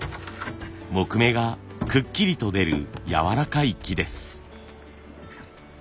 木目がくっきりと出るやわらかい木です。